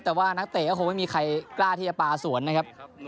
แต่ว่านักเตะก็คงไม่มีใครกล้าที่จะปลาสวนนะครับ